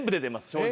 正直。